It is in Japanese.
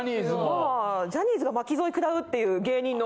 ジャニーズが巻き添え食らうっていう芸人の。